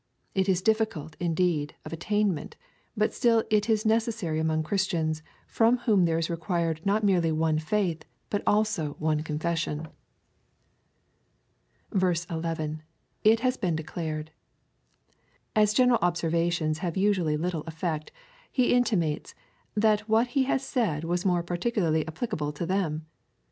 It is difficult, indeed, of attainment, but still it is necessary among Christians, from whom there is required not merely one faith, but also one confession. 11. It has been declared. As general observations have usually little effect, he intimates, that what he had said was more particularly apj^licable to them.